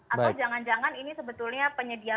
atau jangan jangan ini sebetulnya penyedia